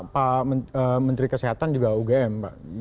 pak menteri kesehatan juga ugm